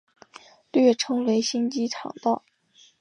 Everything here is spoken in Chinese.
略称为新机场道。